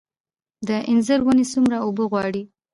د انځر ونې څومره اوبه غواړي؟